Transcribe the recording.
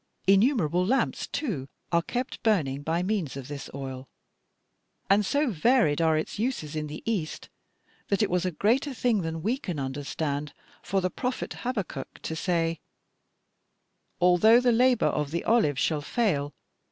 Innumerable lamps, too, are kept burning by means of this oil, and so varied are its uses in the East that it was a greater thing than we can understand for the prophet Habakkuk to say, 'Although the labor of the olive shall fail